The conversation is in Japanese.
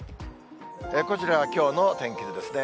こちらはきょうの天気図ですね。